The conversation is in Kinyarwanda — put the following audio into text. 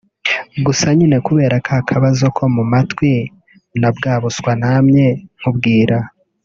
Gusa nyine kubera ka kabazo ko mu matwi na bwa buswa namye nkubwira